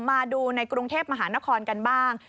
มาดูในกรุงเทพมหานครกันบ้าง